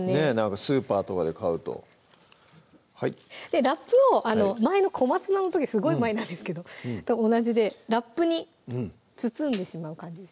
スーパーとかで買うとラップを前の小松菜の時すごい前なんですけどと同じでラップに包んでしまう感じです